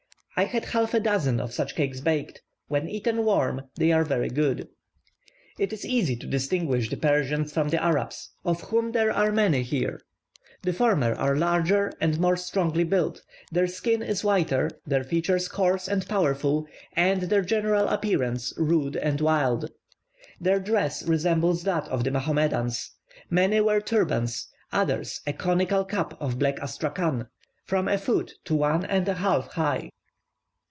I had half a dozen of such cakes baked when eaten warm, they are very good. It is easy to distinguish the Persians from the Arabs, of whom there are many here. The former are larger, and more strongly built; their skin is whiter, their features coarse and powerful, and their general appearance rude and wild. Their dress resembles that of the Mahomedans. Many wear turbans, others a conical cap of black Astrachan, from a foot to one and a half high.